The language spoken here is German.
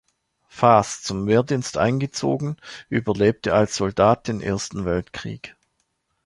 Faas, zum Wehrdienst eingezogen, überlebte als Soldat den Ersten Weltkrieg.